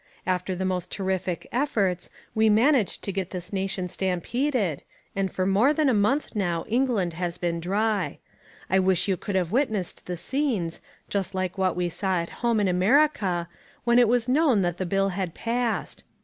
After the most terrific efforts we managed to get this nation stampeded, and for more than a month now England has been dry. I wish you could have witnessed the scenes, just like what we saw at home in America, when it was known that the bill had passed.